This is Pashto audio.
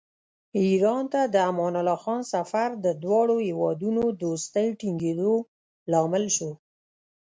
ایران ته د امان الله خان سفر د دواړو هېوادونو دوستۍ ټینګېدو لامل شو.